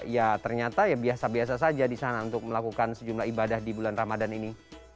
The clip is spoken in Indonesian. ya ternyata ya biasa biasa saja di sana untuk melakukan sejumlah ibadah di bulan ramadan ini